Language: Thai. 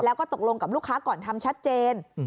แล้วก็ตกลงกับลูกค้าก่อนทำชัดเจน